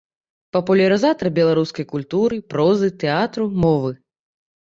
Папулярызатар беларускай культуры, прозы, тэатру, мовы.